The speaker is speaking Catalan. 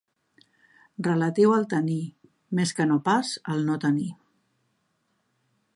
Relatiu al taní, més que no pas al no taní.